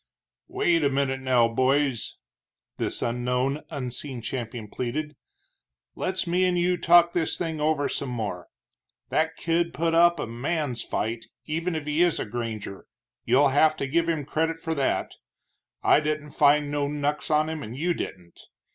"Wait a minute now, boys," this unknown, unseen champion pleaded, "let's me and you talk this thing over some more. That kid put up a man's fight, even if he is a granger you'll have to give him credit for that. I didn't find no knucks on him, and you didn't.